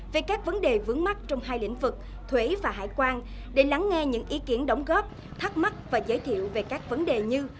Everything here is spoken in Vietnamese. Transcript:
về các vấn đề vướng mắt trong hai lĩnh vực thuế và hải quan để lắng nghe những ý kiến đóng góp thắc mắc và giới thiệu về các vấn đề như